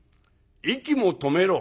息も止めろ」。